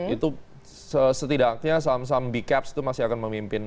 itu setidaknya saham saham b caps itu masih akan memimpin